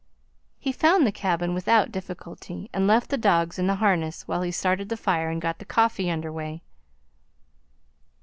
He found the cabin without difficulty, and left the dogs in the harness while he started the fire and got the coffee under way.